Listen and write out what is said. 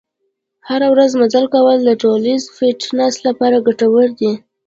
هره ورځ مزل کول د ټولیز فټنس لپاره ګټور دي.